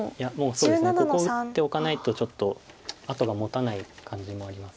ここを打っておかないとちょっと後がもたない感じもあります。